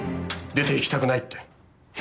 出て行きたくないって。